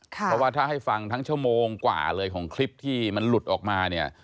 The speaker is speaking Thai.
เพราะว่าถ้าให้ฟังทั้งชั่วโมงกว่าเลยของคลิปที่มันหลุดออกมาเนี่ย